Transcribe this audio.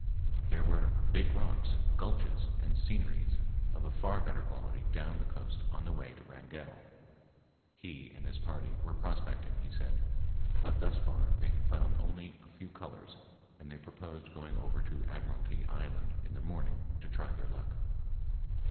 There were "big rocks, gulches, and sceneries" of a far better quality down the coast on the way to Wrangell. He and his party were prospecting, he said, but thus far they had found only a few colors and they proposed going over to Admiralty Island in the morning to try their luck.